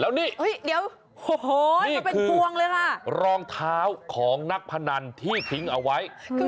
แล้วนี่นี่คือรองเท้าของนักพนันที่ทิ้งเอาไว้โอ้โฮมันเป็นปวงเลยค่ะ